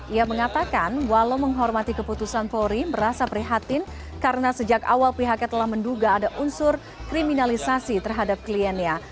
ia mengatakan walau menghormati keputusan polri merasa prihatin karena sejak awal pihaknya telah menduga ada unsur kriminalisasi terhadap kliennya